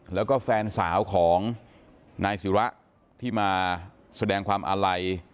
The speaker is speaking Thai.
แล้วก็แฟนสาวของนายศิระที่มาแสดงความอาลัย